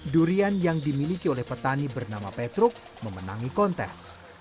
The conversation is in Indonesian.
durian yang dimiliki oleh petani bernama petruk memenangi kontes